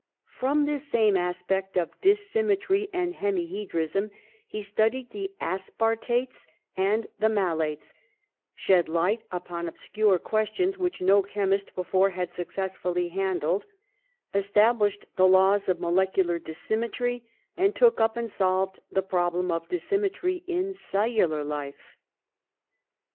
From this same aspect of dissymmetry and hemihedrism, he studied the aspartates and the malates, shed light upon obscure questions which no chemist before had successfully han dled, established the laws of molecular dis A LABORIOUS YOUTH 41 symmetry, and took up and solved the problem of dissymmetry in cellular life.